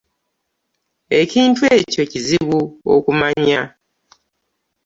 Ekintu ekyo kizibu okumanya.